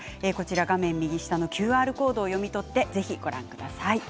画面右下のＱＲコードを読み取ってぜひご覧ください。